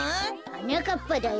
はなかっぱだよ。